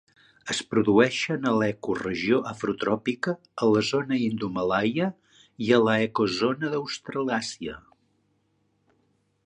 Es produeixen a l'ecoregió afrotròpica, a la zona indomalaia i a l'ecozona d'Australàsia.